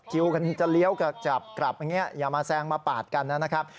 คิวกันจะเลี้ยวกลับจับกลับอย่างนี้อย่ามาแซงมาปาดกันนะครับ